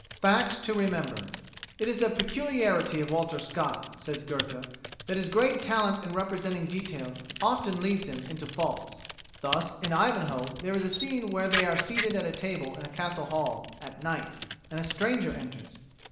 FACTS TO REMEMBER "It is a peculiarity of Walter Scott," says Goethe, "that his great talent in representing details often leads him into faults. Thus in 'Ivanhoe' there is a scene where they are seated at a table in a castle hall, at night, and a stranger enters.